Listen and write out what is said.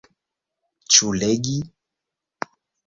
Ĉu legi?